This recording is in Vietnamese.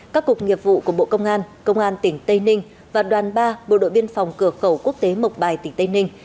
các cục nghiệp vụ của bộ công an công an tỉnh tây ninh và đoàn ba bộ đội biên phòng cửa khẩu quốc tế mộc bài tỉnh tây ninh